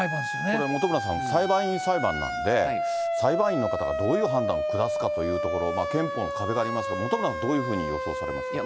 これ、本村さん、裁判員裁判なんで、裁判員の方がどういう判断を下すかというところ、憲法の壁がありますが、本村さん、どういうふうに予想されますか。